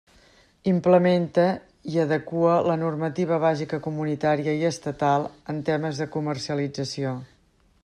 Implementa i adequa la normativa bàsica comunitària i estatal en temes de comercialització.